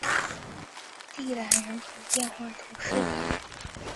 蒂兰人口变化图示